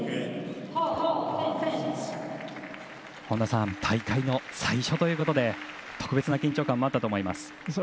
本田さん大会の最初ということで特別な緊張感もあったと思います。